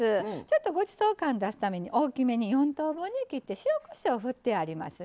ちょっとごちそう感出すために大きめに４等分に切って塩・こしょうをふってありますね。